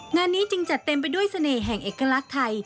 งานนี้จึงจัดเต็มไปด้วยเสน่ห์แห่งเอกลักษณ์ไทย